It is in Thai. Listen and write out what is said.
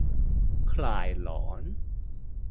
คลายร้อน